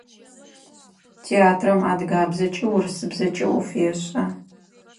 Театрам адыгабзэкӏи урысыбзэкӏи ӏоф ешӏэ.